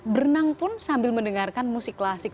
berenang pun sambil mendengarkan musik klasik